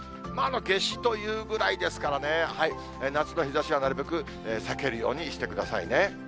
夏至というぐらいですからね、夏の日ざしはなるべく避けるようにしてくださいね。